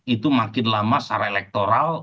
itu makin lama secara elektoral